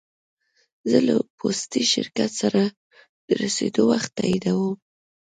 زه له پوستي شرکت سره د رسېدو وخت تاییدوم.